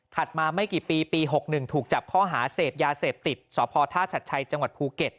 ถัดมาไม่กี่ปีปี๖๑ถูกจับข้อหาเสพยาเสพติด